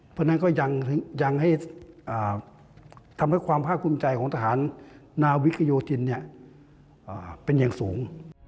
เพราะฉะนั้นก็ยังให้ทำให้ความภาคภูมิใจของทหารนาวิกโยธินเป็นอย่างสูง